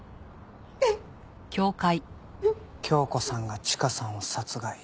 響子さんがチカさんを殺害。